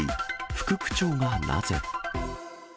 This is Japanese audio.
副区長がなぜ？